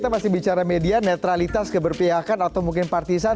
pasti bicara media netralitas keberpihakan atau mungkin partisan